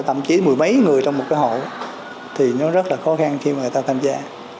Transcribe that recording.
thậm chí mười mấy người trong một cái hộ thì nó rất là khó khăn khi mà người ta tham gia